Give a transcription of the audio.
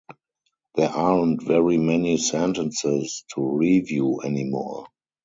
There aren't very many sentences to review anymore!